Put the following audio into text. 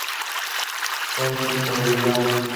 Tetsu Sugiyama